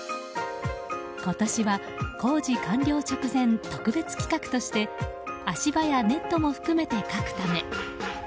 今年は工事完了直前特別企画として足場やネットも含めて描くため。